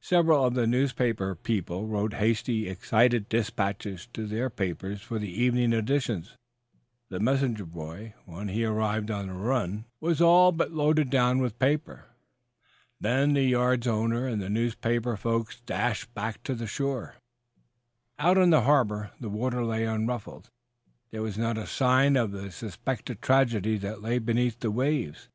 Several of the newspaper people wrote hasty, excited dispatches to their papers for the evening editions. The messenger boy, when he arrived on a run, was all but loaded down with paper. Then the yard's owner and the newspaper folks dashed back to the shore. Out on the harbor the water lay unruffled. There was not a sign of the suspected tragedy that lay beneath the waves.